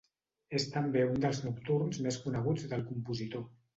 És també un dels nocturns més coneguts del compositor.